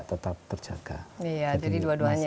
tetap terjaga iya jadi dua duanya